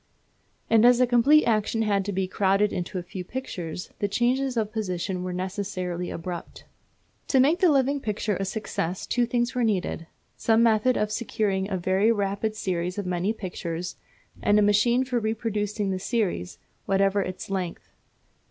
And as a complete action had to be crowded into a few pictures, the changes of position were necessarily abrupt. To make the living picture a success two things were needed; some method of securing a very rapid series of many pictures, and a machine for reproducing the series, whatever its length.